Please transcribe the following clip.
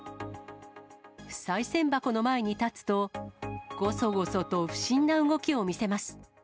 さい銭箱の前に立つと、ごそごそと不審な動きを見せます。